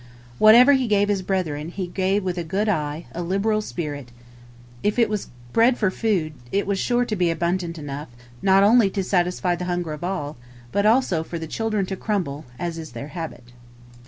Whatever he gave his brethren, he gave with a "good eye," a liberal spirit. If it was bread for food, it was sure to be abundant enough, not only to satisfy the hunger of all, but also for the children to crumble, as is their habit.